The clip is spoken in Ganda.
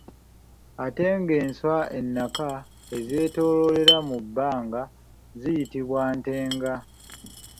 Ate ng'enswa ennaka ezeetooloolera mu bbanga ziyitibwa ntenga.